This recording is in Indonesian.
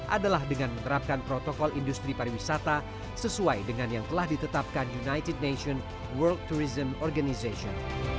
adalah dengan menerapkan protokol industri pariwisata sesuai dengan yang telah ditetapkan united nations world tourism organization